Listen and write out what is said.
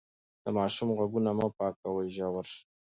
د ماشوم غوږونه مه پاکوئ ژور.